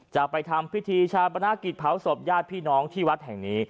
จะไปทำพิธีชาปนกิจเผาศพญาติพี่น้องที่วัดแห่งนี้